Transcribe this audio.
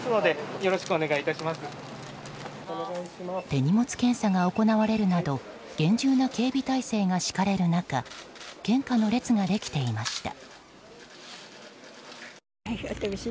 手荷物検査が行われるなど厳重な警備態勢が敷かれる中献花の列ができていました。